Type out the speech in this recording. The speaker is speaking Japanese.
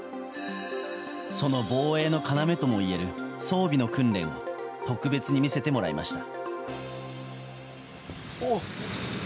その防衛の要ともいえる装備の訓練を特別に見せてもらいました。